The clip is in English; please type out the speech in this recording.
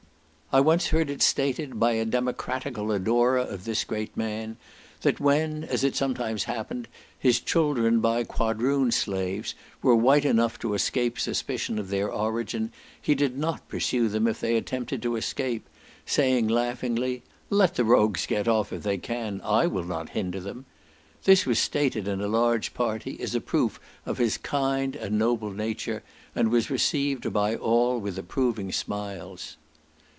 I once heard it stated by a democratical adorer of this great man, that when, as it sometimes happened, his children by Quadroon slaves were white enough to escape suspicion of their origin, he did not pursue them if they attempted to escape, saying laughingly, "Let the rogues get off, if they can; I will not hinder them." This was stated in a large party, as a proof of his kind and noble nature, and was received by all with approving smiles.